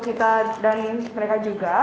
kita dan mereka juga